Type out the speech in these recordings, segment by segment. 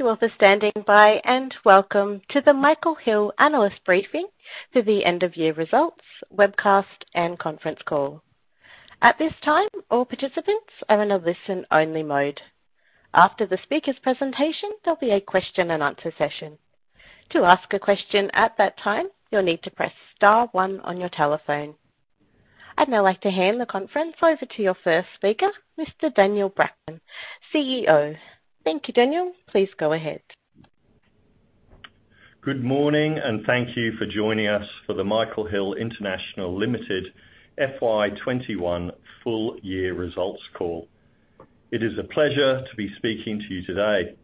Thank you all for standing by. Welcome to the Michael Hill analyst briefing for the end-of-year results webcast and conference call. At this time, all participants are in a listen-only mode. After the speaker's presentation, there will be a question and answer session. To ask a question at that time, you will need to press star one on your telephone. I would now like to hand the conference over to your first speaker, Mr. Daniel Bracken, CEO. Thank you, Daniel. Please go ahead. Good morning. Thank you for joining us for the Michael Hill International Limited FY 2021 full-year results call. It is a pleasure to be speaking to you today.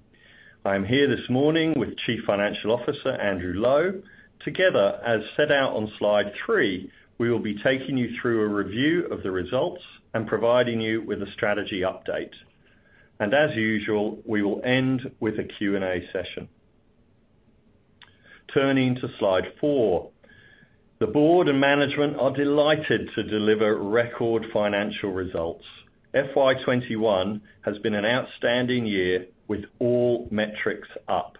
I am here this morning with Chief Financial Officer Andrew Lowe. Together, as set out on slide three, we will be taking you through a review of the results and providing you with a strategy update. As usual, we will end with a Q&A session. Turning to slide four, the board and management are delighted to deliver record financial results. FY 2021 has been an outstanding year with all metrics up,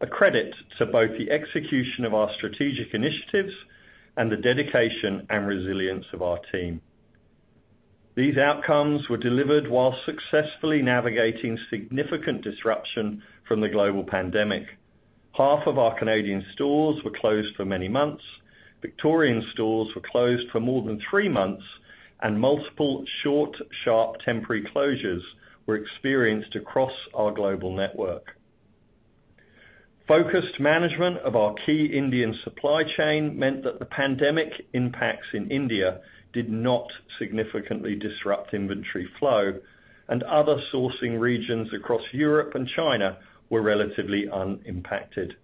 a credit to both the execution of our strategic initiatives and the dedication and resilience of our team. These outcomes were delivered while successfully navigating significant disruption from the global pandemic. Half of our Canadian stores were closed for many months, Victorian stores were closed for more than three months, and multiple short, sharp, temporary closures were experienced across our global network. Focused management of our key Indian supply chain meant that the pandemic impacts in India did not significantly disrupt inventory flow, and other sourcing regions across Europe and China were relatively unimpacted.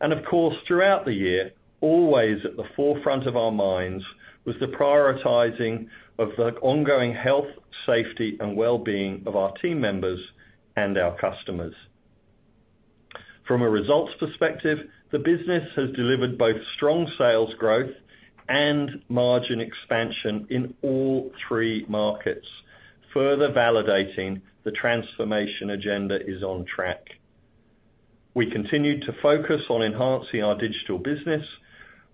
Of course, throughout the year, always at the forefront of our minds was the prioritizing of the ongoing health, safety, and well-being of our team members and our customers. From a results perspective, the business has delivered both strong sales growth and margin expansion in all three markets, further validating the transformation agenda is on track. We continued to focus on enhancing our digital business,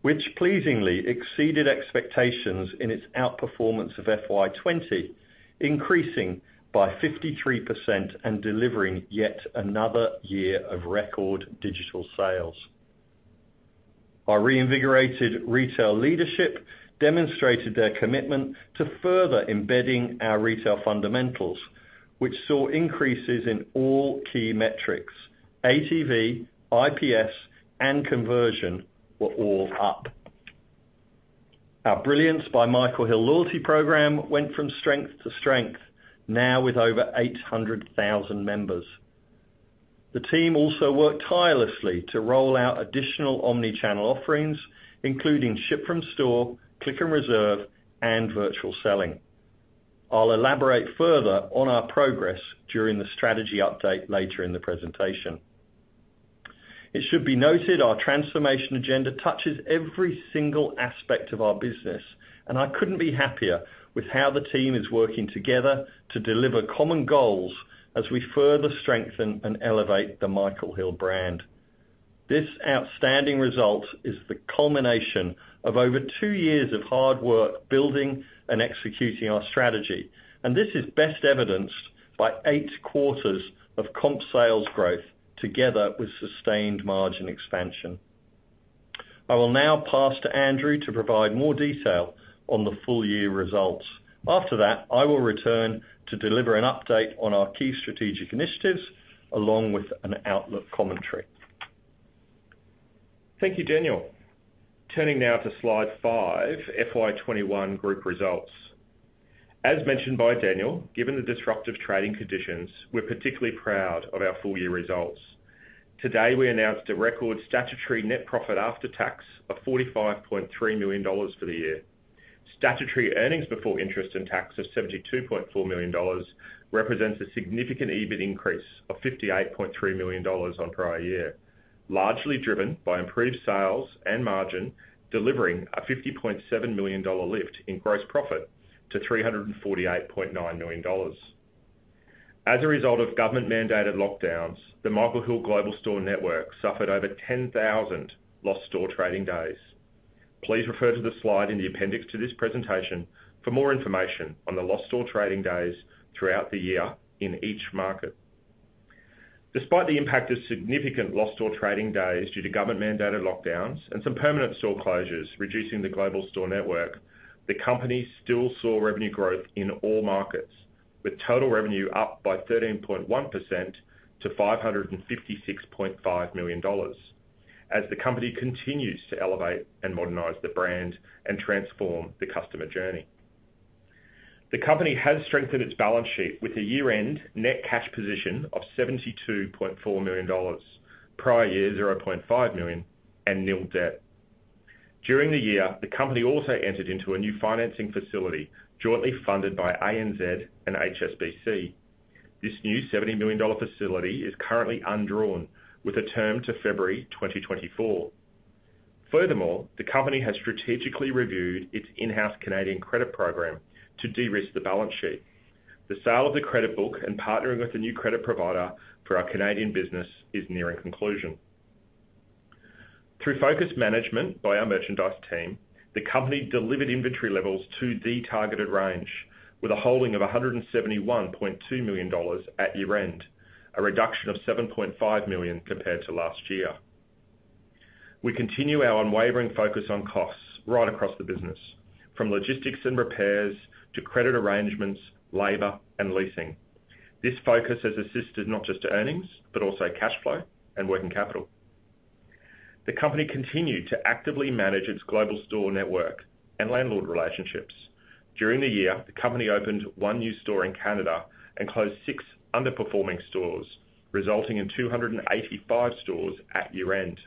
which pleasingly exceeded expectations in its outperformance of FY20, increasing by 53% and delivering yet another year of record digital sales. Our reinvigorated retail leadership demonstrated their commitment to further embedding our retail fundamentals, which saw increases in all key metrics. ATV, IPS, and conversion were all up. Our Brilliance by Michael Hill loyalty program went from strength to strength, now with over 800,000 members. The team also worked tirelessly to roll out additional omni-channel offerings, including ship from store, click and reserve, and virtual selling. I'll elaborate further on our progress during the strategy update later in the presentation. It should be noted our transformation agenda touches every single aspect of our business, and I couldn't be happier with how the team is working together to deliver common goals as we further strengthen and elevate the Michael Hill brand. This outstanding result is the culmination of over two years of hard work building and executing our strategy. This is best evidenced by eight quarters of comp sales growth together with sustained margin expansion. I will now pass to Andrew Lowe to provide more detail on the full-year results. After that, I will return to deliver an update on our key strategic initiatives along with an outlook commentary. Thank you, Daniel. Turning now to slide five, FY 2021 group results. As mentioned by Daniel, given the disruptive trading conditions, we're particularly proud of our full-year results. Today, we announced a record statutory net profit after tax of 45.3 million dollars for the year. Statutory earnings before interest and tax of 72.4 million dollars represents a significant EBIT increase of 58.3 million dollars on prior year, largely driven by improved sales and margin, delivering a 50.7 million dollar lift in gross profit to 348.9 million dollars. As a result of government-mandated lockdowns, the Michael Hill global store network suffered over 10,000 lost store trading days. Please refer to the slide in the appendix to this presentation for more information on the lost store trading days throughout the year in each market. Despite the impact of significant lost store trading days due to government-mandated lockdowns and some permanent store closures reducing the global store network, the company still saw revenue growth in all markets, with total revenue up by 13.1% to 556.5 million dollars as the company continues to elevate and modernize the brand and transform the customer journey. The company has strengthened its balance sheet with a year-end net cash position of 72.4 million dollars, prior year, 0.5 million, and nil debt. During the year, the company also entered into a new financing facility jointly funded by ANZ and HSBC. This new 70 million dollar facility is currently undrawn, with a term to February 2024. The company has strategically reviewed its in-house Canadian credit program to de-risk the balance sheet. The sale of the credit book and partnering with a new credit provider for our Canadian business is nearing conclusion. Through focused management by our merchandise team, the company delivered inventory levels to the targeted range with a holding of 171.2 million dollars at year-end, a reduction of 7.5 million compared to last year. We continue our unwavering focus on costs right across the business, from logistics and repairs to credit arrangements, labor, and leasing. This focus has assisted not just to earnings, but also cash flow and working capital. The company continued to actively manage its global store network and landlord relationships. During the year, the company opened one new store in Canada and closed six underperforming stores, resulting in 285 stores at year-end.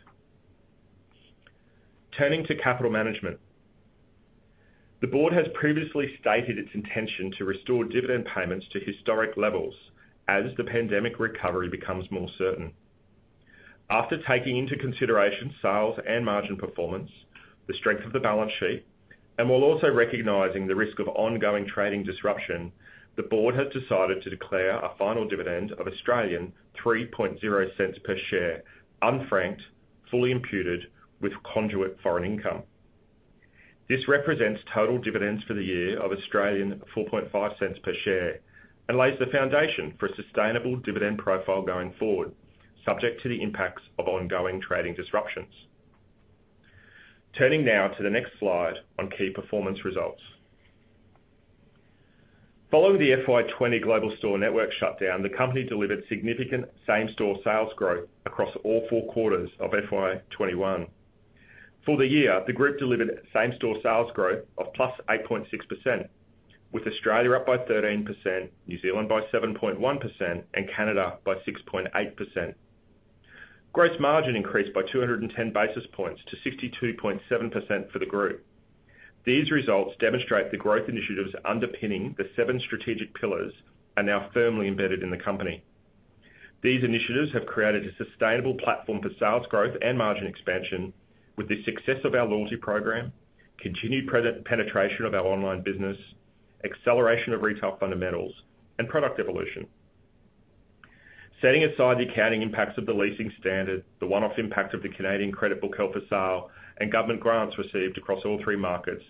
Turning to capital management. The board has previously stated its intention to restore dividend payments to historic levels as the pandemic recovery becomes more certain. After taking into consideration sales and margin performance, the strength of the balance sheet, and while also recognizing the risk of ongoing trading disruption, the board has decided to declare a final dividend of 0.03 per share, unfranked, fully imputed with conduit foreign income. This represents total dividends for the year of 0.045 per share and lays the foundation for a sustainable dividend profile going forward, subject to the impacts of ongoing trading disruptions. Turning now to the next slide on key performance results. Following the FY 2020 global store network shutdown, the company delivered significant same-store sales growth across all four quarters of FY 2021. For the year, the group delivered same-store sales growth of +8.6%, with Australia up by 13%, New Zealand by 7.1%, and Canada by 6.8%. Gross margin increased by 210 basis points to 62.7% for the group. These results demonstrate the growth initiatives underpinning the seven strategic pillars are now firmly embedded in the company. These initiatives have created a sustainable platform for sales growth and margin expansion with the success of our loyalty program, continued penetration of our online business, acceleration of retail fundamentals, and product evolution. Setting aside the accounting impacts of the leasing standard, the one-off impact of the Canadian credit book held for sale, and government grants received across all three markets,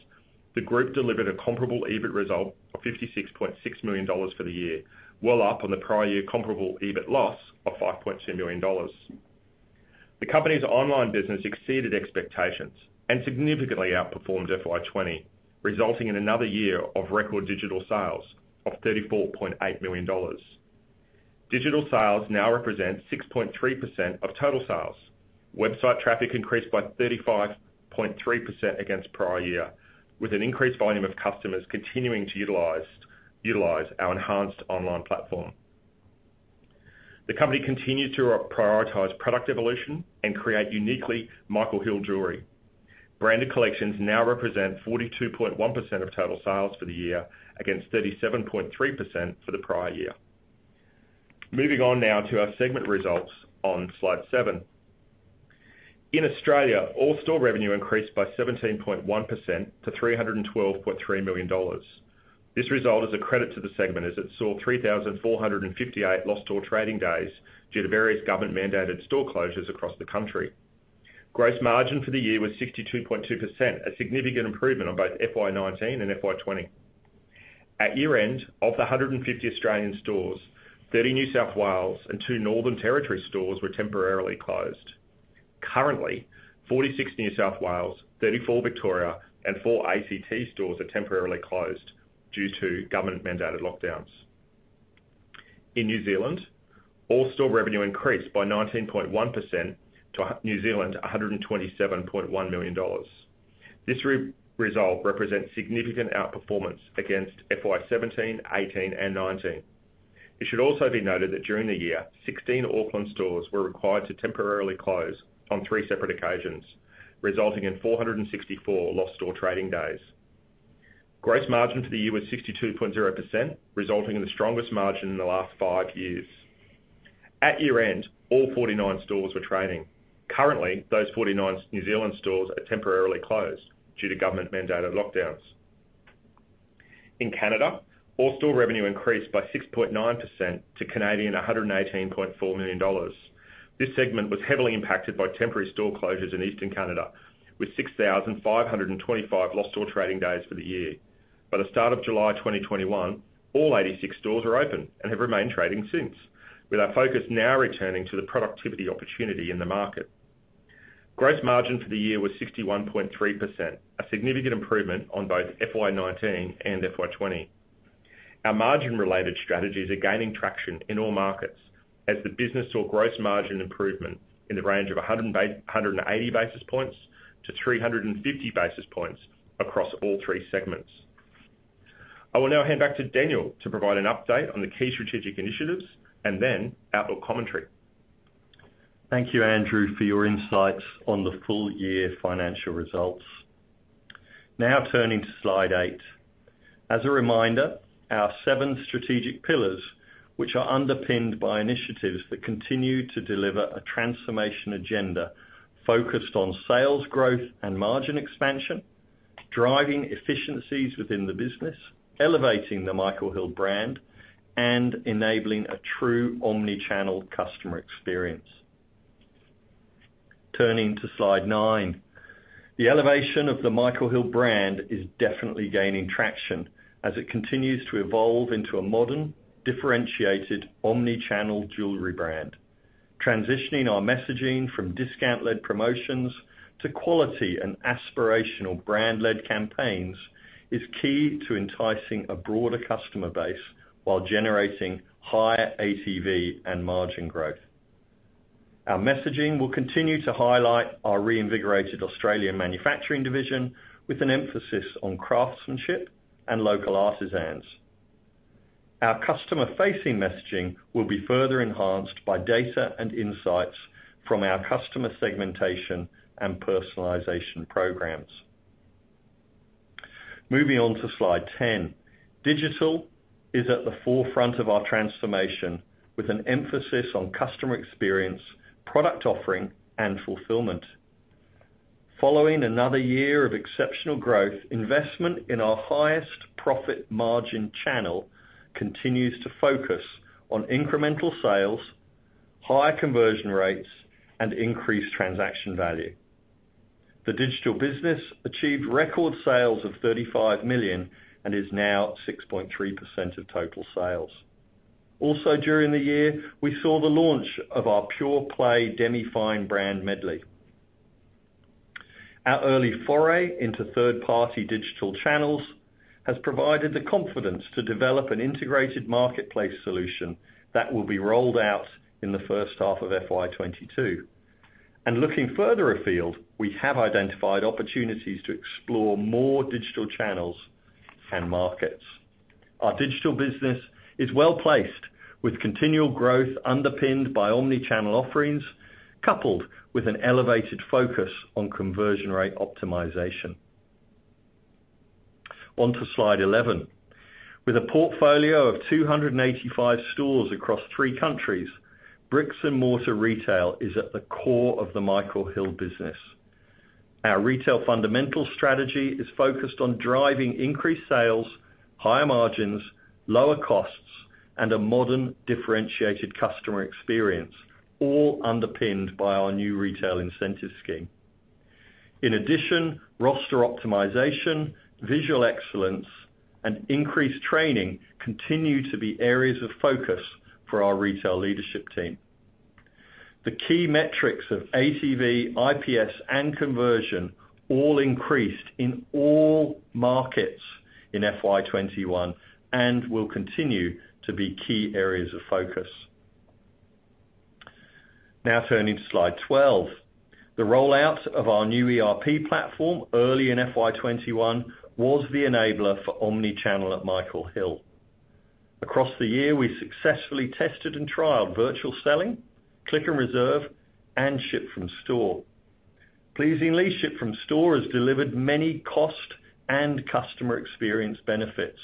the group delivered a comparable EBIT result of 56.6 million dollars for the year, well up on the prior year comparable EBIT loss of 5.2 million dollars. The company's online business exceeded expectations and significantly outperformed FY 2020, resulting in another year of record digital sales of 34.8 million dollars. Digital sales now represent 6.3% of total sales. Website traffic increased by 35.3% against prior year, with an increased volume of customers continuing to utilize our enhanced online platform. The company continued to prioritize product evolution and create uniquely Michael Hill jewelry. Branded collections now represent 42.1% of total sales for the year, against 37.3% for the prior year. Moving on now to our segment results on slide seven. In Australia, all store revenue increased by 17.1% to 312.3 million dollars. This result is a credit to the segment as it saw 3,458 lost store trading days due to various government-mandated store closures across the country. Gross margin for the year was 62.2%, a significant improvement on both FY19 and FY20. At year-end, of the 150 Australian stores, 30 New South Wales and two Northern Territory stores were temporarily closed. Currently, 46 New South Wales, 34 Victoria, and 4 ACT stores are temporarily closed due to government-mandated lockdowns. In New Zealand, all store revenue increased by 19.1% to NZ$127.1 million. This result represents significant outperformance against FY 2017, 2018, and 2019. It should also be noted that during the year, 16 Auckland stores were required to temporarily close on three separate occasions, resulting in 464 lost store trading days. Gross margin for the year was 62.0%, resulting in the strongest margin in the last five years. At year-end, all 49 stores were trading. Currently, those 49 New Zealand stores are temporarily closed due to government-mandated lockdowns. In Canada, all store revenue increased by 6.9% to CAD$118.4 million. This segment was heavily impacted by temporary store closures in Eastern Canada with 6,525 lost store trading days for the year. By the start of July 2021, all 86 stores were open and have remained trading since, with our focus now returning to the productivity opportunity in the market. Gross margin for the year was 61.3%, a significant improvement on both FY19 and FY20. Our margin-related strategies are gaining traction in all markets as the business saw gross margin improvement in the range of 180 basis points to 350 basis points across all three segments. I will now hand back to Daniel to provide an update on the key strategic initiatives and then outlook commentary. Thank you, Andrew, for your insights on the full-year financial results. Now turning to slide eight. As a reminder, our seven strategic pillars, which are underpinned by initiatives that continue to deliver a transformation agenda focused on sales growth and margin expansion, driving efficiencies within the business, elevating the Michael Hill brand, and enabling a true omni-channel customer experience. Turning to slide nine. The elevation of the Michael Hill brand is definitely gaining traction as it continues to evolve into a modern, differentiated, omni-channel jewelry brand. Transitioning our messaging from discount-led promotions to quality and aspirational brand-led campaigns is key to enticing a broader customer base while generating higher ATV and margin growth. Our messaging will continue to highlight our reinvigorated Australian manufacturing division with an emphasis on craftsmanship and local artisans. Our customer-facing messaging will be further enhanced by data and insights from our customer segmentation and personalization programs. Moving on to slide 10. Digital is at the forefront of our transformation with an emphasis on customer experience, product offering, and fulfillment. Following another year of exceptional growth, investment in our highest profit margin channel continues to focus on incremental sales, high conversion rates, and increased transaction value. The digital business achieved record sales of 35 million and is now 6.3% of total sales. Also during the year, we saw the launch of our pure play demi-fine brand Medley. Our early foray into third-party digital channels has provided the confidence to develop an integrated marketplace solution that will be rolled out in the first half of FY22. Looking further afield, we have identified opportunities to explore more digital channels and markets. Our digital business is well-placed with continual growth underpinned by omni-channel offerings, coupled with an elevated focus on conversion rate optimization. On to slide 11. With a portfolio of 285 stores across three countries, bricks and mortar retail is at the core of the Michael Hill business. Our retail fundamental strategy is focused on driving increased sales, higher margins, lower costs, and a modern, differentiated customer experience, all underpinned by our new retail incentive scheme. In addition, roster optimization, visual excellence, and increased training continue to be areas of focus for our retail leadership team. The key metrics of ATV, IPS, and conversion all increased in all markets in FY21 and will continue to be key areas of focus. Turning to slide 12. The rollout of our new ERP platform early in FY21 was the enabler for omni-channel at Michael Hill. Across the year, we successfully tested and trialed virtual selling, click and reserve, and ship from store. Pleasingly, ship from store has delivered many cost and customer experience benefits,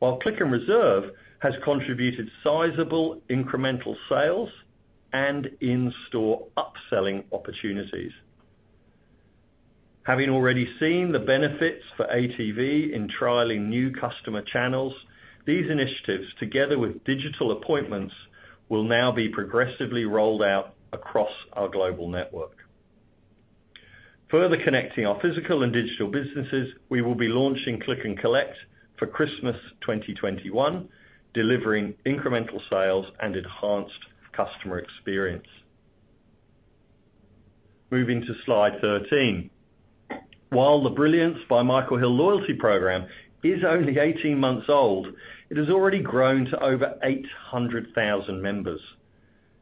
while click and reserve has contributed sizable incremental sales and in-store upselling opportunities. Having already seen the benefits for ATV in trialing new customer channels, these initiatives, together with digital appointments, will now be progressively rolled out across our global network. Further connecting our physical and digital businesses, we will be launching click and collect for Christmas 2021, delivering incremental sales and enhanced customer experience. Moving to slide 13. While the Brilliance by Michael Hill loyalty program is only 18 months old, it has already grown to over 800,000 members.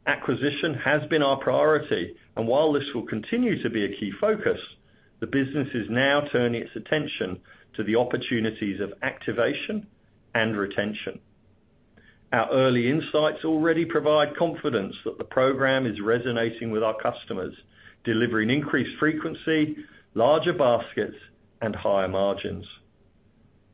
Acquisition has been our priority, and while this will continue to be a key focus, the business is now turning its attention to the opportunities of activation and retention. Our early insights already provide confidence that the program is resonating with our customers, delivering increased frequency, larger baskets, and higher margins.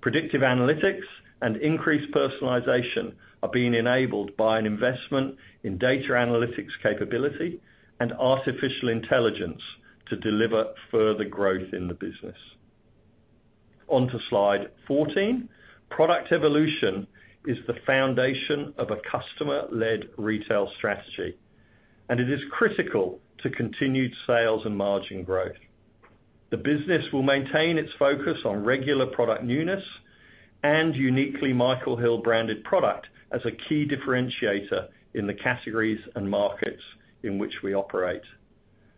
Predictive analytics and increased personalization are being enabled by an investment in data analytics capability and artificial intelligence to deliver further growth in the business. On to slide 14. Product evolution is the foundation of a customer-led retail strategy, and it is critical to continued sales and margin growth. The business will maintain its focus on regular product newness and uniquely Michael Hill branded product as a key differentiator in the categories and markets in which we operate.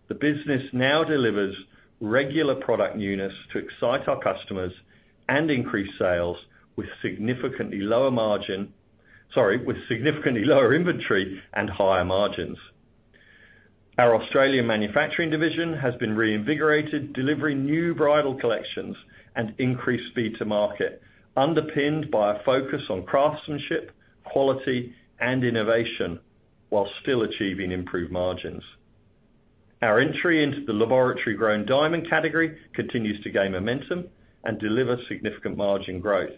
The business now delivers regular product newness to excite our customers and increase sales with significantly lower margin, sorry, with significantly lower inventory and higher margins. Our Australian manufacturing division has been reinvigorated, delivering new bridal collections and increased speed to market, underpinned by a focus on craftsmanship, quality, and innovation while still achieving improved margins. Our entry into the laboratory-grown diamond category continues to gain momentum and deliver significant margin growth.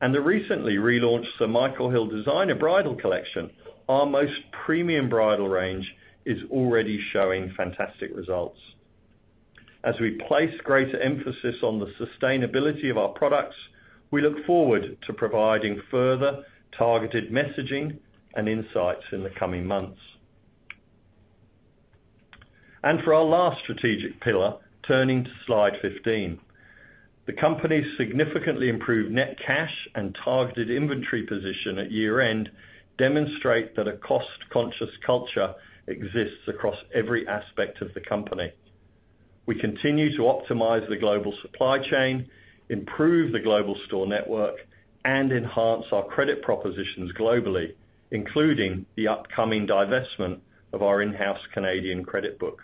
The recently relaunched Sir Michael Hill Designer Bridal Collection, our most premium bridal range, is already showing fantastic results. As we place greater emphasis on the sustainability of our products, we look forward to providing further targeted messaging and insights in the coming months. For our last strategic pillar, turning to slide 15. The company's significantly improved net cash and targeted inventory position at year-end demonstrate that a cost-conscious culture exists across every aspect of the company. We continue to optimize the global supply chain, improve the global store network, and enhance our credit propositions globally, including the upcoming divestment of our in-house Canadian credit book.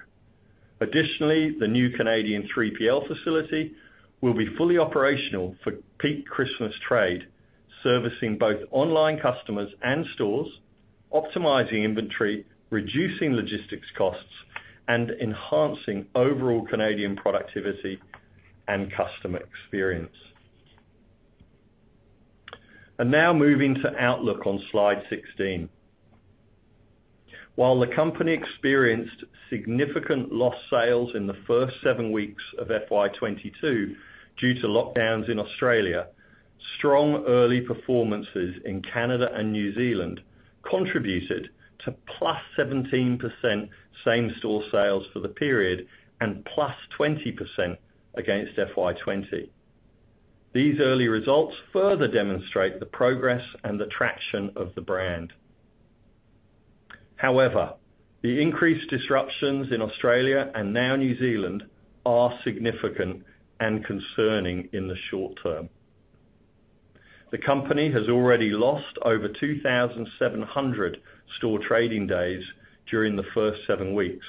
Additionally, the new Canadian 3PL facility will be fully operational for peak Christmas trade, servicing both online customers and stores, optimizing inventory, reducing logistics costs, and enhancing overall Canadian productivity and customer experience. Now moving to outlook on slide 16. While the company experienced significant lost sales in the first seven weeks of FY22 due to lockdowns in Australia, strong early performances in Canada and New Zealand contributed to +17% same-store sales for the period and +20% against FY20. These early results further demonstrate the progress and the traction of the brand. However, the increased disruptions in Australia and now New Zealand are significant and concerning in the short term. The company has already lost over 2,700 store trading days during the first seven weeks,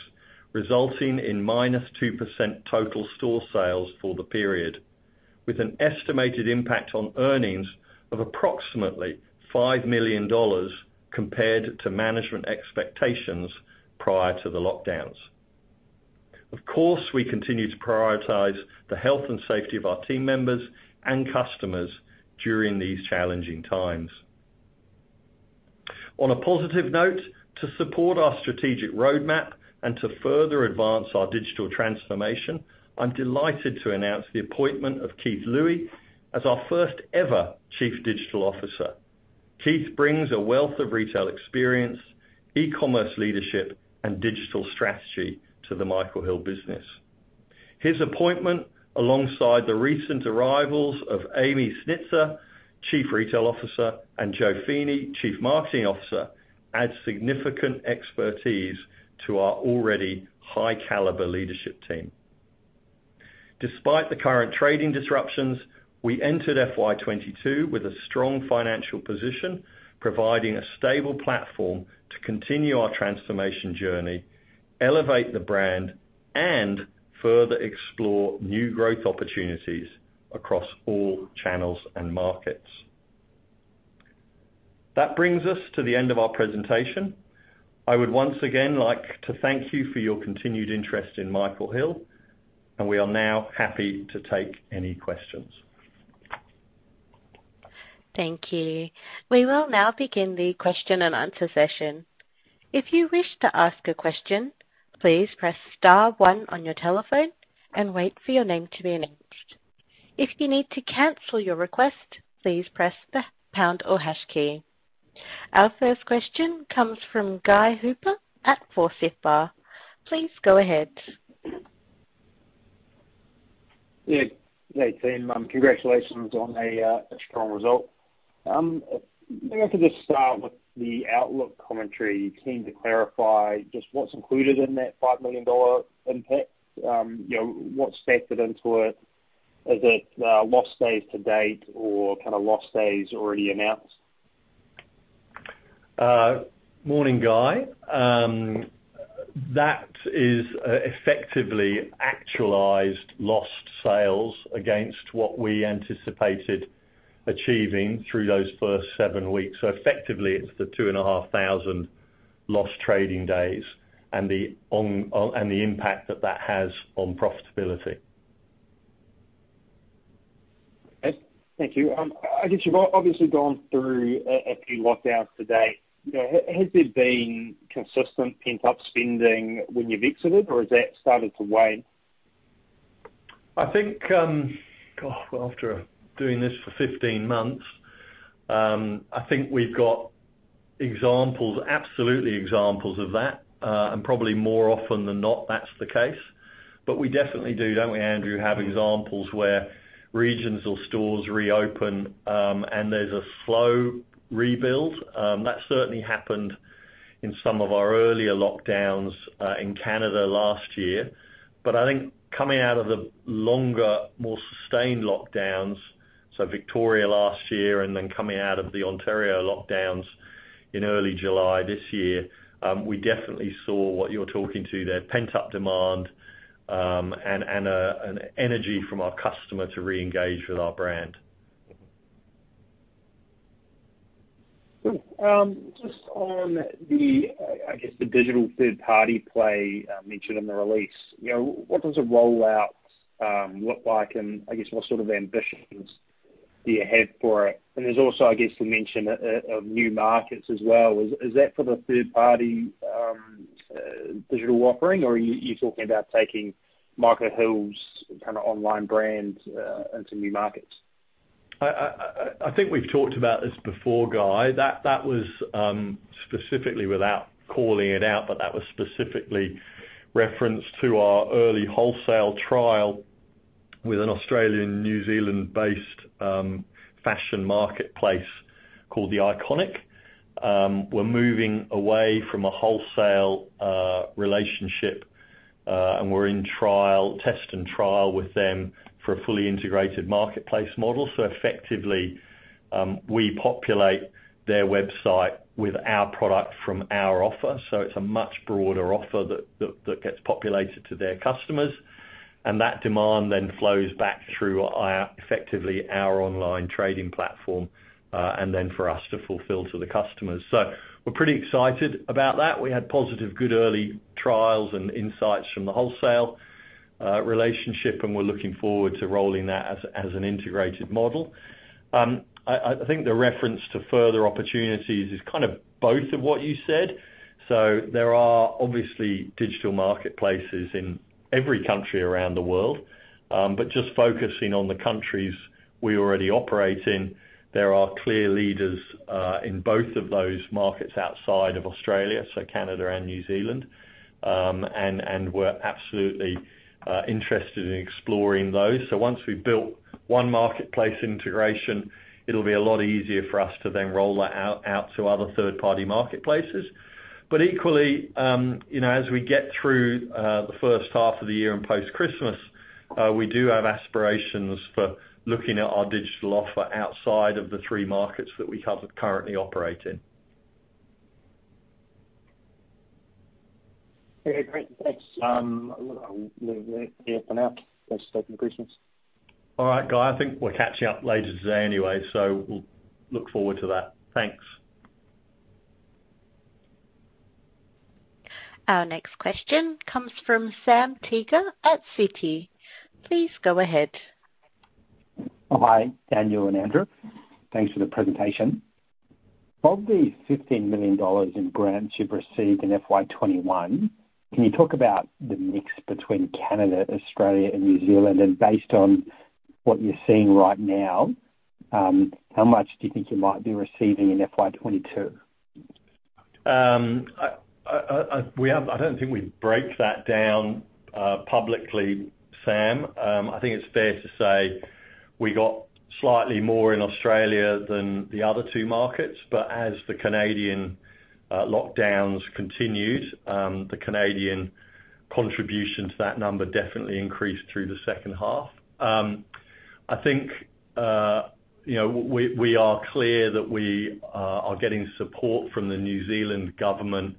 resulting in -2% total store sales for the period, with an estimated impact on earnings of approximately 5 million dollars compared to management expectations prior to the lockdowns. Of course, we continue to prioritize the health and safety of our team members and customers during these challenging times. On a positive note, to support our strategic roadmap and to further advance our digital transformation, I'm delighted to announce the appointment of Keith Louie as our first ever Chief Digital Officer. Keith brings a wealth of retail experience, e-commerce leadership, and digital strategy to the Michael Hill business. His appointment, alongside the recent arrivals of Amy Sznicer, Chief Retail Officer, and Jo Feeney, Chief Marketing Officer, adds significant expertise to our already high-caliber leadership team. Despite the current trading disruptions, we entered FY 2022 with a strong financial position, providing a stable platform to continue our transformation journey, elevate the brand, and further explore new growth opportunities across all channels and markets. That brings us to the end of our presentation. I would once again like to thank you for your continued interest in Michael Hill. We are now happy to take any questions. Thank you. We will now begin the question and answer session. If you wish to ask a question, please press star one on your telephone and wait for your name to be announced. If you need to cancel your request, please press the pound or hash key. Our first question comes from Guy Hooper at Forsyth Barr. Please go ahead. Yeah. Hey, team. Congratulations on a strong result. Maybe I could just start with the outlook commentary. Keen to clarify just what's included in that 5 million dollar impact. What's factored into it? Is it lost days to date or kind of lost days already announced? Morning, Guy. That is effectively actualized lost sales against what we anticipated achieving through those first seven weeks. Effectively, it's the 2,500 lost trading days and the impact that that has on profitability. Okay. Thank you. You've obviously gone through a few lockdowns to date. Has there been consistent pent-up spending when you've exited, or has that started to wane? After doing this for 15 months, I think we've got absolutely examples of that, and probably more often than not, that's the case. We definitely do, don't we, Andrew, have examples where regions or stores reopen, and there's a slow rebuild. That certainly happened in some of our earlier lockdowns in Canada last year. I think coming out of the longer, more sustained lockdowns, so Victoria last year and then coming out of the Ontario lockdowns in early July this year, we definitely saw what you're talking to there, pent-up demand, and an energy from our customer to reengage with our brand. Sure. Just on the, digital third-party play mentioned in the release. What does a rollout look like? What sort of ambitions do you have for it? There's also, I guess, the mention of new markets as well. Is that for the third-party digital offering or are you talking about taking Michael Hill's kind of online brand into new markets? We've talked about this before, Guy. That was specifically without calling it out, but that was specifically referenced to our early wholesale trial with an Australian New Zealand-based fashion marketplace called The Iconic. We're moving away from a wholesale relationship, we're in test and trial with them for a fully integrated marketplace model. Effectively, we populate their website with our product from our offer. It's a much broader offer that gets populated to their customers, and that demand then flows back through effectively our online trading platform, then for us to fulfill to the customers. We're pretty excited about that. We had positive good early trials and insights from the wholesale relationship, we're looking forward to rolling that as an integrated model. The reference to further opportunities is kind of both of what you said. There are obviously digital marketplaces in every country around the world. Just focusing on the countries we already operate in, there are clear leaders in both of those markets outside of Australia, so Canada and New Zealand. We're absolutely interested in exploring those. Once we've built one marketplace integration, it'll be a lot easier for us to then roll that out to other third-party marketplaces. Equally, as we get through the first half of the year and post-Christmas, we do have aspirations for looking at our digital offer outside of the three markets that we currently operate in. Okay, great. Thanks. I'll leave it there for now. Thanks for taking the questions. All right, Guy, I think we're catching up later today anyway. We'll look forward to that. Thanks. Our next question comes from Sam Teeger at Citi. Please go ahead. Hi, Daniel and Andrew. Thanks for the presentation. Of the 15 million dollars in grants you've received in FY 2021, can you talk about the mix between Canada, Australia, and New Zealand? Based on what you're seeing right now, how much do you think you might be receiving in FY 2022? I don't think we break that down publicly, Sam. I think it's fair to say we got slightly more in Australia than the other two markets. As the Canadian lockdowns continued, the Canadian contribution to that number definitely increased through the second half. We are clear that we are getting support from the New Zealand government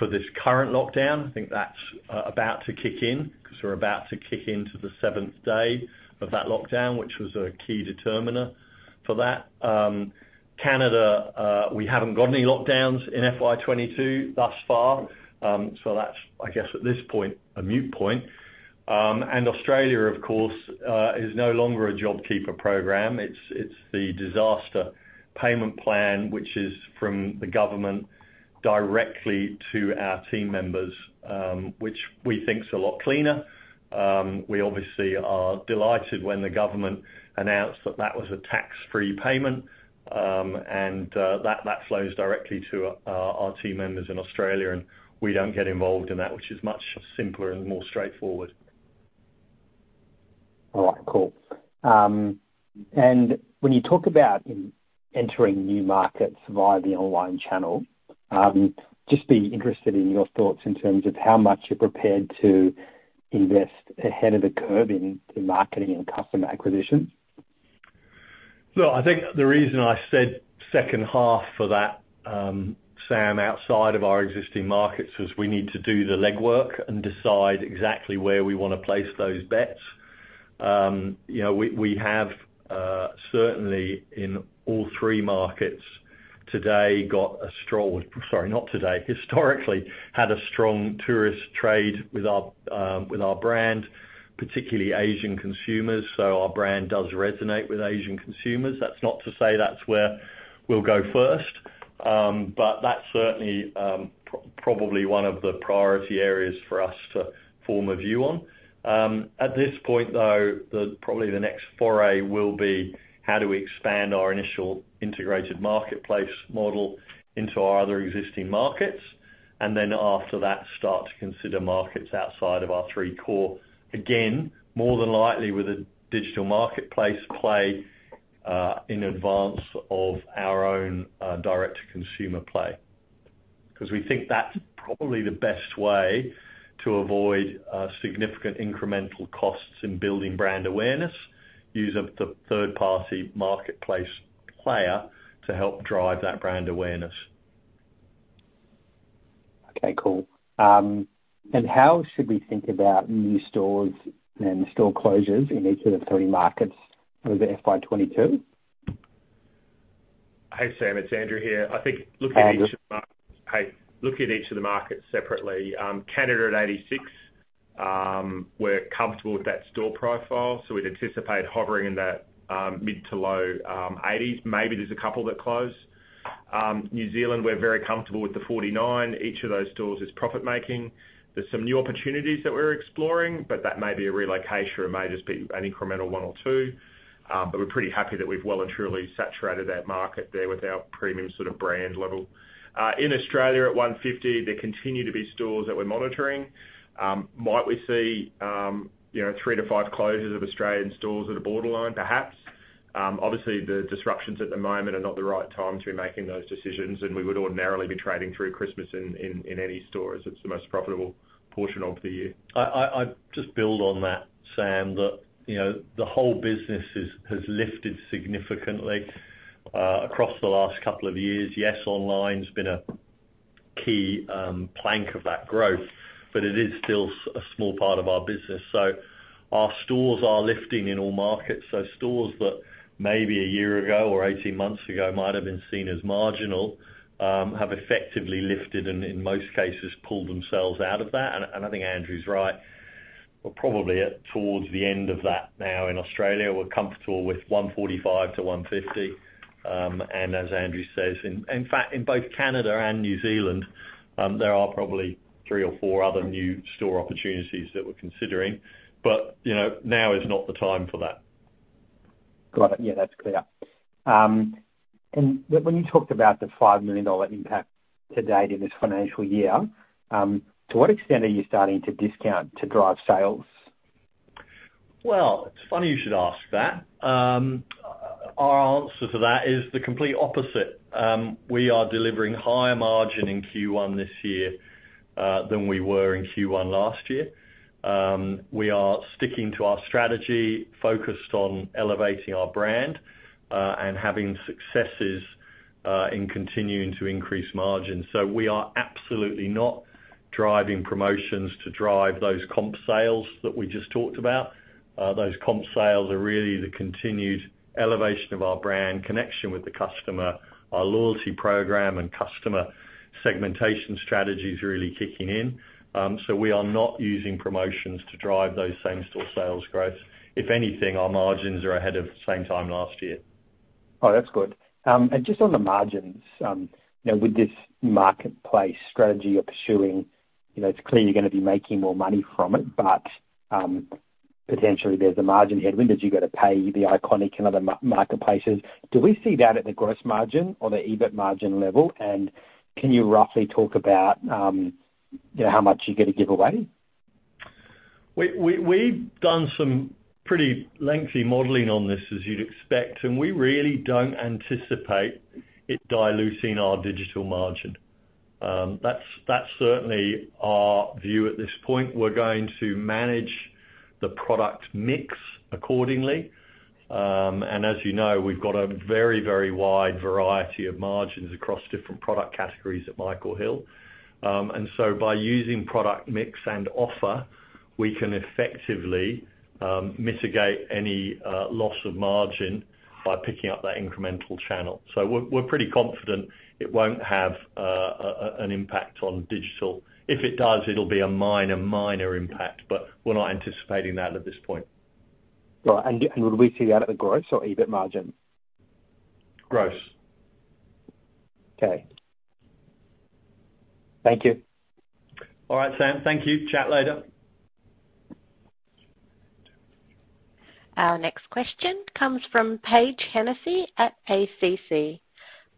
for this current lockdown. That's about to kick in because we're about to kick into the seventh day of that lockdown, which was a key determiner for that. Canada, we haven't got any lockdowns in FY 2022 thus far. That's, at this point, a moot point. Australia, of course, is no longer a JobKeeper program. It's the disaster payment plan, which is from the government directly to our team members, which we think is a lot cleaner. We obviously are delighted when the government announced that that was a tax-free payment, and that flows directly to our team members in Australia, and we don't get involved in that, which is much simpler and more straightforward. All right, cool. When you talk about entering new markets via the online channel, just be interested in your thoughts in terms of how much you're prepared to invest ahead of the curve in marketing and customer acquisition. Look, I think the reason I said second half for that, Sam, outside of our existing markets, is we need to do the legwork and decide exactly where we want to place those bets. We have, certainly in all three markets today, historically, had a strong tourist trade with our brand, particularly Asian consumers. Our brand does resonate with Asian consumers. That's not to say that's where we'll go first. That's certainly probably one of the priority areas for us to form a view on. At this point, though, probably the next foray will be how do we expand our initial integrated marketplace model into our other existing markets, then after that start to consider markets outside of our three core. Again, more than likely with a digital marketplace play in advance of our own direct-to-consumer play. We think that's probably the best way to avoid significant incremental costs in building brand awareness, use of the third-party marketplace player to help drive that brand awareness. Okay, cool. How should we think about new stores and store closures in each of the three markets over FY22? Hey, Sam, it's Andrew here. Hi Andrew Hi. Look at each of the markets separately. Canada at 86. We're comfortable with that store profile. We'd anticipate hovering in that mid to low 80s. Maybe there's a couple that close. New Zealand, we're very comfortable with the 49. Each of those stores is profit-making. There's some new opportunities that we're exploring. That may be a relocation, or it may just be an incremental one or two. We're pretty happy that we've well and truly saturated that market there with our premium brand level. In Australia at 150, there continue to be stores that we're monitoring. Might we see three to five closures of Australian stores that are borderline? Perhaps. Obviously, the disruptions at the moment are not the right time to be making those decisions. We would ordinarily be trading through Christmas in any store, as it's the most profitable portion of the year. I'd just build on that, Sam, that the whole business has lifted significantly across the last couple of years. Yes, online's been a key plank of that growth. It is still a small part of our business. Our stores are lifting in all markets. Stores that maybe one year ago or 18 months ago might have been seen as marginal, have effectively lifted and in most cases, pulled themselves out of that. I think Andrew's right. We're probably towards the end of that now in Australia. We're comfortable with 145-150. As Andrew says, in fact, in both Canada and New Zealand, there are probably three or four other new store opportunities that we're considering. Now is not the time for that. Got it. Yeah, that's clear. When you talked about the 5 million dollar impact to date in this financial year, to what extent are you starting to discount to drive sales? Well, it's funny you should ask that. Our answer to that is the complete opposite. We are delivering higher margin in Q1 this year, than we were in Q1 last year. We are sticking to our strategy, focused on elevating our brand, and having successes, in continuing to increase margins. We are absolutely not driving promotions to drive those comp sales that we just talked about. Those comp sales are really the continued elevation of our brand connection with the customer, our loyalty program and customer segmentation strategies really kicking in. We are not using promotions to drive those same-store sales growth. If anything, our margins are ahead of same time last year. Oh, that's good. Just on the margins, with this marketplace strategy you're pursuing, it's clear you're going to be making more money from it, but potentially there's a margin headwind as you've got to pay The Iconic and other marketplaces. Do we see that at the gross margin or the EBIT margin level? Can you roughly talk about how much you're going to give away? We've done some pretty lengthy modeling on this, as you'd expect, and we really don't anticipate it diluting our digital margin. That's certainly our view at this point. We're going to manage the product mix accordingly. As you know, we've got a very, very wide variety of margins across different product categories at Michael Hill. By using product mix and offer, we can effectively mitigate any loss of margin by picking up that incremental channel. We're pretty confident it won't have an impact on digital. If it does, it'll be a minor impact, but we're not anticipating that at this point. Right. Would we see that at the gross or EBIT margin? Gross. Okay. Thank you. All right, Sam. Thank you. Chat later. Our next question comes from Paige Hennessy at ACC.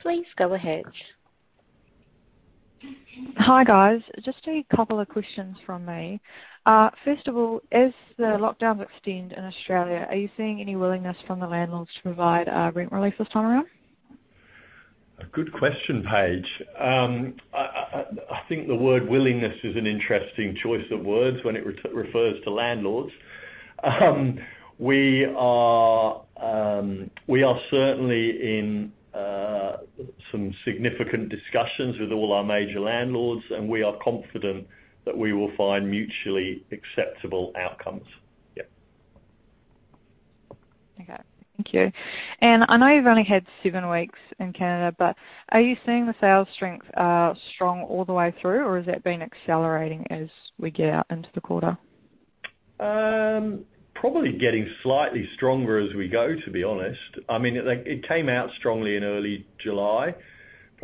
Please go ahead. Hi, guys. Just a couple of questions from me. First of all, as the lockdowns extend in Australia, are you seeing any willingness from the landlords to provide a rent relief this time around? A good question, Paige. I think the word willingness is an interesting choice of words when it refers to landlords. We are certainly in some significant discussions with all our major landlords, and we are confident that we will find mutually acceptable outcomes. Yeah. Okay. Thank you. I know you've only had seven weeks in Canada, but are you seeing the sales strength strong all the way through, or has that been accelerating as we get out into the quarter? Probably getting slightly stronger as we go, to be honest. It came out strongly in early July,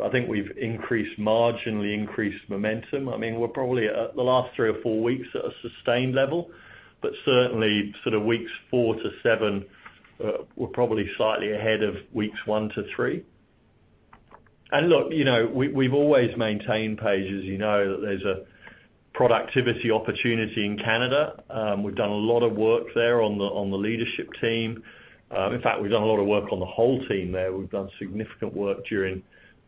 I think we've increased margin, we increased momentum. We're probably at the last three or four weeks at a sustained level, certainly weeks four to seven, we're probably slightly ahead of weeks one to three. Look, we've always maintained, Paige, as you know, that there's a productivity opportunity in Canada. We've done a lot of work there on the leadership team. In fact, we've done a lot of work on the whole team there. We've done significant work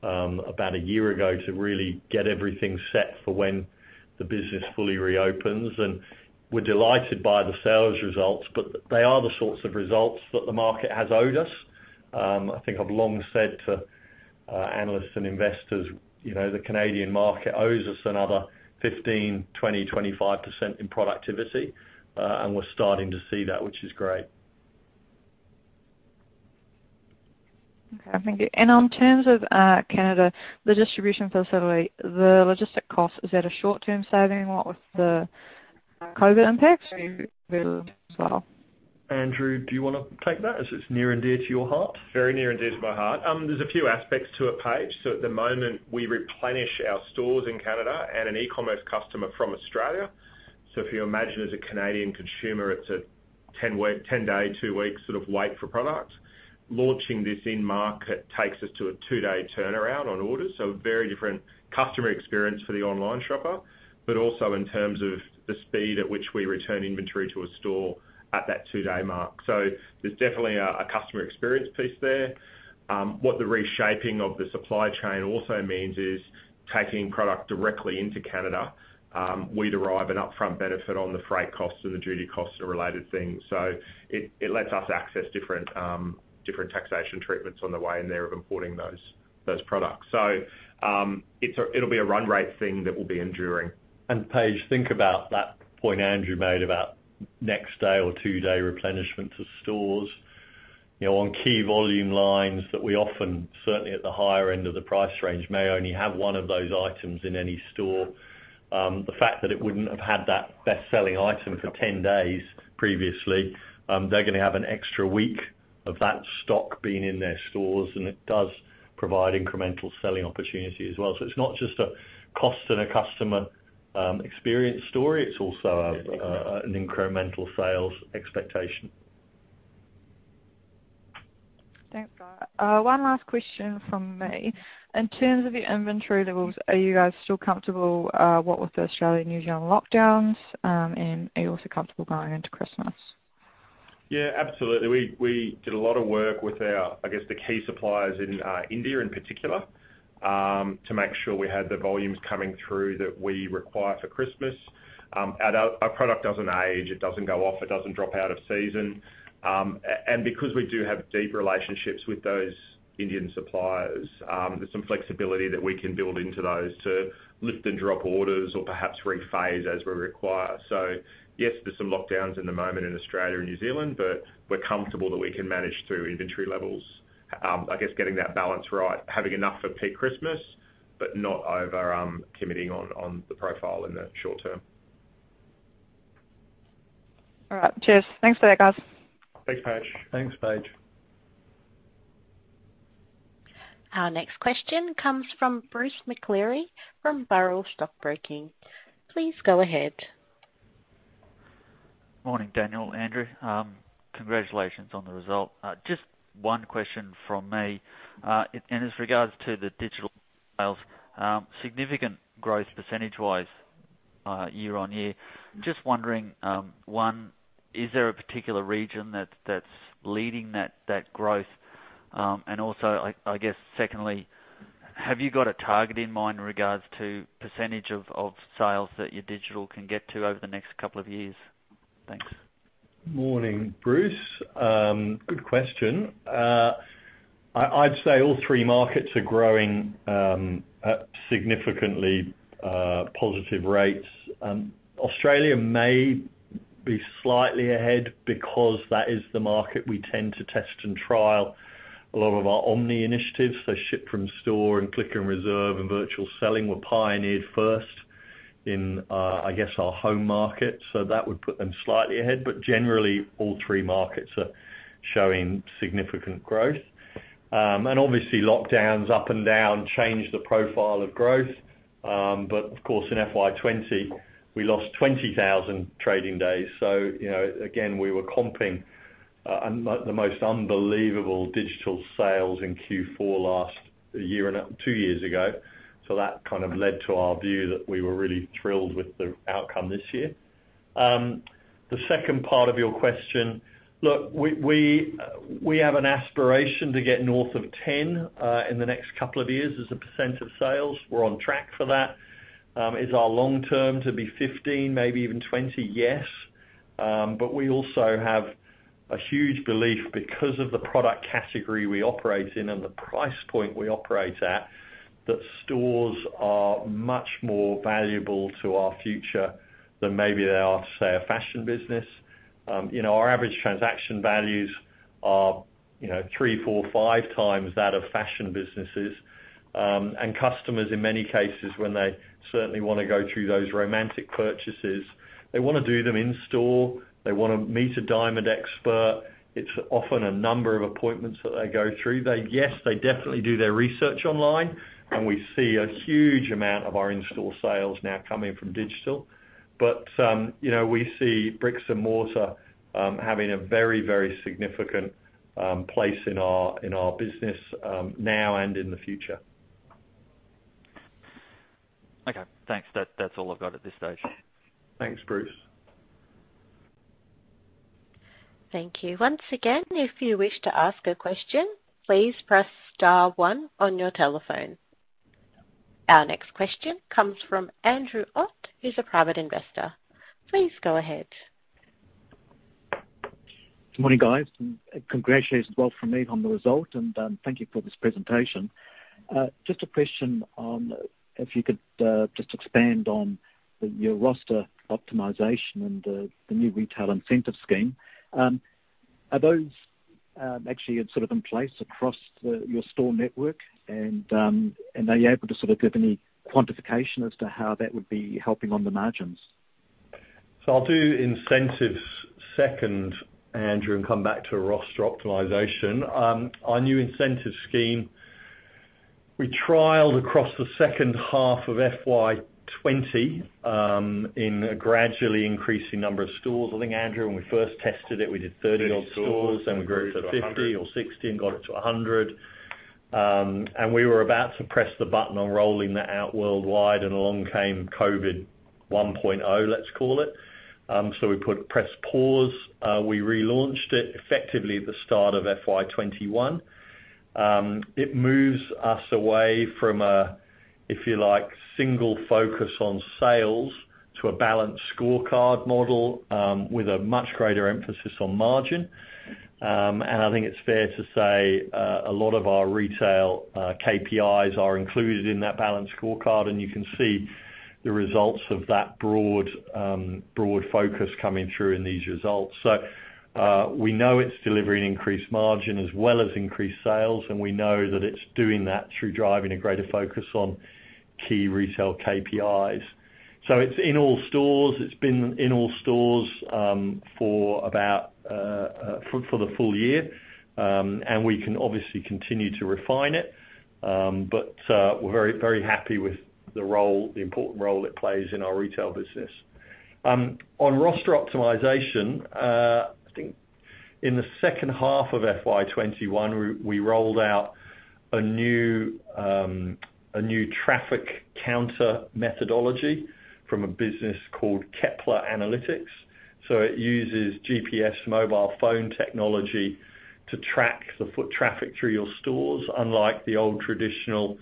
about a year ago to really get everything set for when the business fully reopens. We're delighted by the sales results, they are the sorts of results that the market has owed us. I've long said analysts and investors, the Canadian market owes us another 15%, 20%, 25% in productivity. We're starting to see that, which is great. Okay. Thank you. On terms of Canada, the distribution facility, the logistic cost, is that a short-term saving what with the COVID impacts as well? Andrew, do you want to take that as it's near and dear to your heart? Very near and dear to my heart. There's a few aspects to it, Paige. At the moment, we replenish our stores in Canada and an e-commerce customer from Australia. If you imagine as a Canadian consumer, it's a 10-day, two-week sort of wait for product. Launching this in market takes us to a two-day turnaround on orders, so a very different customer experience for the online shopper, but also in terms of the speed at which we return inventory to a store at that two-day mark. There's definitely a customer experience piece there. What the reshaping of the supply chain also means is taking product directly into Canada. We derive an upfront benefit on the freight costs and the duty costs and related things. It lets us access different taxation treatments on the way in there of importing those products. It'll be a run rate thing that will be enduring. Paige, think about that point Andrew made about next day or two-day replenishment to stores. On key volume lines that we often, certainly at the higher end of the price range, may only have one of those items in any store. The fact that it wouldn't have had that best-selling item for 10 days previously, they're going to have an extra week of that stock being in their stores, it does provide incremental selling opportunity as well. It's not just a cost and a customer experience story. It's also an incremental sales expectation. Thanks, guys. One last question from me. In terms of your inventory levels, are you guys still comfortable with the Australian, New Zealand lockdowns, and are you also comfortable going into Christmas? Yeah, absolutely. We did a lot of work with the key suppliers in India in particular, to make sure we had the volumes coming through that we require for Christmas. Our product doesn't age, it doesn't go off, it doesn't drop out of season. Because we do have deep relationships with those Indian suppliers, there's some flexibility that we can build into those to lift and drop orders or perhaps re-phase as we require. Yes, there's some lockdowns in the moment in Australia and New Zealand, but we're comfortable that we can manage through inventory levels, I guess getting that balance right, having enough for peak Christmas, but not over committing on the profile in the short term. All right. Cheers. Thanks for that, guys. Thanks, Paige. Thanks, Paige. Our next question comes from Bruce McLeary from Burrell Stockbroking. Please go ahead. Morning, Daniel, Andrew. Congratulations on the result. Just one question from me. As regards to the digital sales, significant growth percentage-wise year on year. Just wondering, one, is there a particular region that's leading that growth? Also, I guess secondly, have you got a target in mind in regards to percentage of sales that your digital can get to over the next couple of years? Thanks. Morning, Bruce. Good question. I'd say all three markets are growing at significantly positive rates. Australia may be slightly ahead because that is the market we tend to test and trial a lot of our omni initiatives. Ship from store and click and reserve and virtual selling were pioneered first in, I guess, our home market. That would put them slightly ahead. Generally, all three markets are showing significant growth. Obviously, lockdowns up and down change the profile of growth. Of course, in FY 2020, we lost 20,000 trading days. Again, we were comping, the most unbelievable digital sales in Q4 last two years ago. That kind of led to our view that we were really thrilled with the outcome this year. The second part of your question. Look, we have an aspiration to get north of 10% in the next couple of years as a percent of sales. We're on track for that. Is our long-term to be 15%, maybe even 20%? Yes. We also have a huge belief because of the product category we operate in and the price point we operate at, that stores are much more valuable to our future than maybe they are to, say, a fashion business. Our average transaction values are 3x, 4x, 5x that of fashion businesses. Customers, in many cases, when they certainly want to go through those romantic purchases, they want to do them in store. They want to meet a diamond expert. It's often a number of appointments that they go through. Yes, they definitely do their research online. We see a huge amount of our in-store sales now coming from digital. We see bricks and mortar having a very, very significant place in our business now and in the future. Okay. Thanks. That's all I've got at this stage. Thanks, Bruce. Thank you. Once again, if you wish to ask a question, please press star one on your telephone. Our next question comes from Andrew Ott, who's a private investor. Please go ahead. Good morning, guys. Congratulations, well from me on the result, and thank you for this presentation. Just a question on if you could just expand on your roster optimization and the new retail incentive scheme. Are those actually in place across your store network, and are you able to give any quantification as to how that would be helping on the margins? I'll do incentives second, Andrew, and come back to roster optimization. Our new incentive scheme, we trialed across the second half of FY 2020, in a gradually increasing number of stores. I think, Andrew, when we first tested it, we did 30 odd stores. We grew it to 50 or 60 and got it to 100. We were about to press the button on rolling that out worldwide, and along came COVID 1.0, let's call it. We pressed pause. We relaunched it effectively at the start of FY21. It moves us away from a, if you like, single focus on sales to a Balanced Scorecard model, with a much greater emphasis on margin. I think it's fair to say, a lot of our retail, KPIs are included in that Balanced Scorecard, and you can see the results of that broad focus coming through in these results. We know it's delivering increased margin as well as increased sales, and we know that it's doing that through driving a greater focus on key retail KPIs. It's in all stores. It's been in all stores for the full year. We can obviously continue to refine it. We're very happy with the important role it plays in our retail business. On roster optimization, I think in the second half of FY21, we rolled out a new traffic counter methodology from a business called Kepler Analytics. It uses GPS mobile phone technology to track the foot traffic through your stores, unlike the old traditional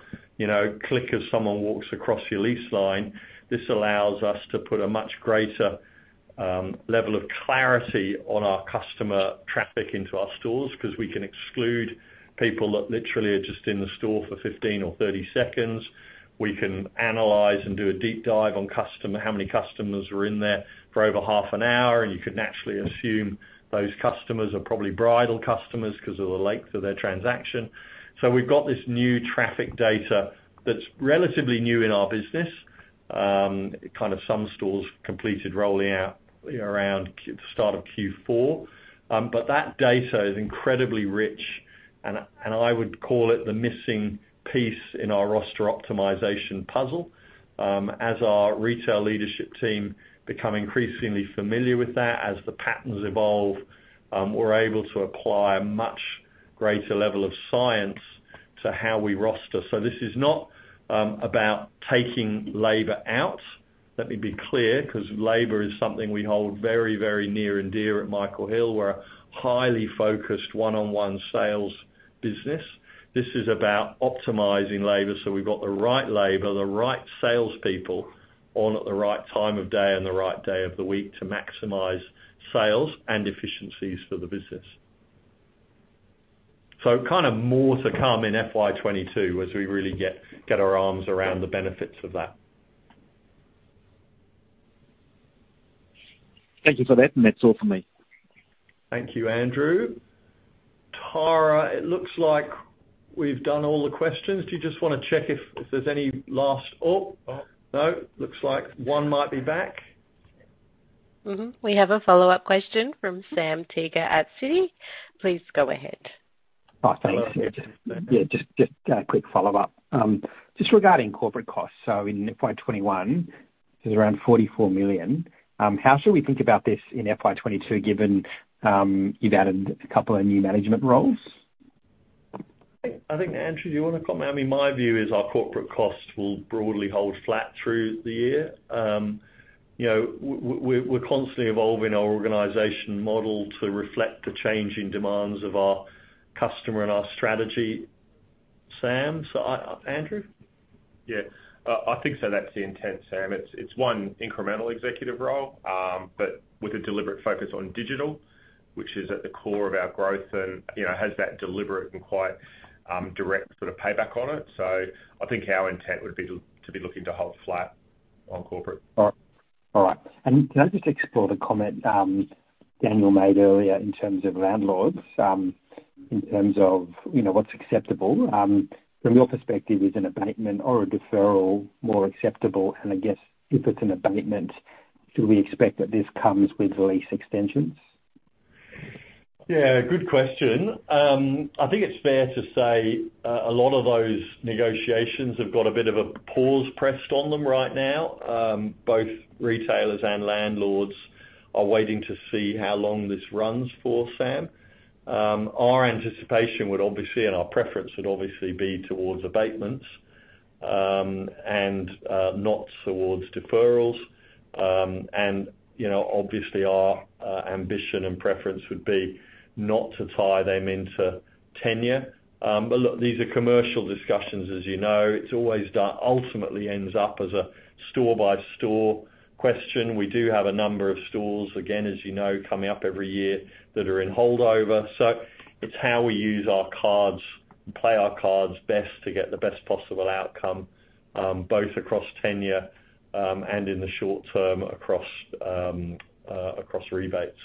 click as someone walks across your lease line. This allows us to put a much greater level of clarity on our customer traffic into our stores, because we can exclude people that literally are just in the store for 15 or 30 seconds. We can analyze and do a deep dive on how many customers are in there for over half an hour, and you can naturally assume those customers are probably bridal customers because of the length of their transaction. We've got this new traffic data that's relatively new in our business. Some stores completed rolling out around the start of Q4. That data is incredibly rich, and I would call it the missing piece in our roster optimization puzzle. As our retail leadership team become increasingly familiar with that, as the patterns evolve, we're able to apply a much greater level of science to how we roster. This is not about taking labor out. Let me be clear, because labor is something we hold very near and dear at Michael Hill. We're a highly focused one-on-one sales business. This is about optimizing labor so we've got the right labor, the right salespeople on at the right time of day and the right day of the week to maximize sales and efficiencies for the business. More to come in FY 2022 as we really get our arms around the benefits of that. Thank you for that, and that's all from me. Thank you, Andrew. Tara, it looks like we've done all the questions. Do you just want to check if there's any last? Oh, no. Looks like one might be back. We have a follow-up question from Sam Teeger at Citi. Please go ahead. Thanks. Hello. Just a quick follow-up. Regarding corporate costs, so in FY21, it was around 44 million. How should we think about this in FY22, given you've added a couple of new management roles? Andrew, do you want to comment? My view is our corporate costs will broadly hold flat through the year. We're constantly evolving our organization model to reflect the changing demands of our customer and our strategy, Sam. Andrew? Yeah. I think, that's the intent, Sam Teeger. It's one incremental executive role, but with a deliberate focus on digital, which is at the core of our growth and has that deliberate and quite direct payback on it. I think our intent would be to be looking to hold flat on corporate. All right. Can I just explore the comment Daniel made earlier in terms of landlords, in terms of what's acceptable? From your perspective, is an abatement or a deferral more acceptable? I guess if it's an abatement, should we expect that this comes with lease extensions? Yeah, good question. I think it's fair to say, a lot of those negotiations have got a bit of a pause pressed on them right now. Both retailers and landlords are waiting to see how long this runs for, Sam. Our anticipation would obviously, and our preference would obviously be towards abatements, and not towards deferrals. Obviously our ambition and preference would be not to tie them into tenure. Look, these are commercial discussions as you know. It ultimately ends up as a store-by-store question. We do have a number of stores, again as you know, coming up every year that are in holdover. It's how we use our cards and play our cards best to get the best possible outcome, both across tenure, and in the short term across rebates.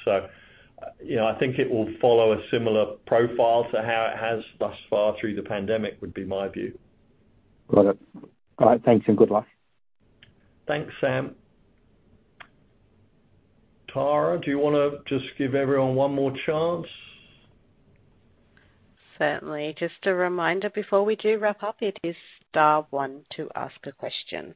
It will follow a similar profile to how it has thus far through the pandemic, would be my view. Got it. All right, thanks and good luck. Thanks, Sam. Tara, do you want to just give everyone one more chance? Certainly. Just a reminder before we do wrap up, it is star one to ask a question.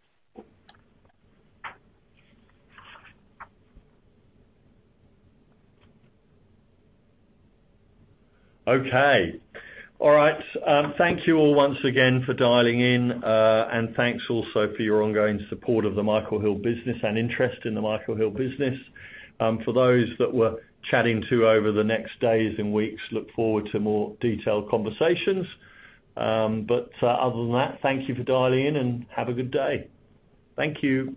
Okay. All right. Thank you all once again for dialing in. Thanks also for your ongoing support of the Michael Hill business and interest in the Michael Hill business. For those that we're chatting to over the next days and weeks, look forward to more detailed conversations. Other than that, thank you for dialing in, and have a good day. Thank you.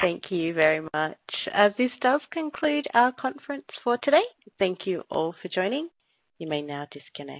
Thank you very much. This does conclude our conference for today, thank you all for joining. You may now disconnect.